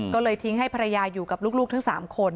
ก็เลยทิ้งให้ภรรยาอยู่กับลูกทั้ง๓คน